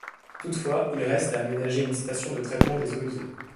Toutefois il reste à aménager une station de traitement des eaux usées.